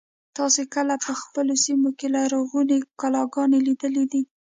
تاسې کله په خپلو سیمو کې لرغونې کلاګانې لیدلي دي.